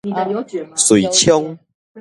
遂昌